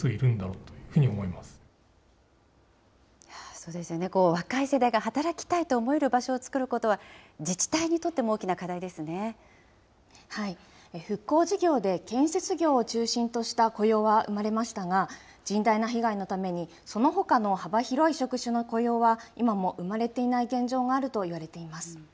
そうですよね、若い世代が働きたいと思える場所を作ることは、自治体にとっても復興事業で建設業を中心とした雇用は生まれましたが、甚大な被害のために、そのほかの幅広い職種の雇用は今も生まれていない現状があるといわれています。